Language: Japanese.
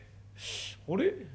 あれ？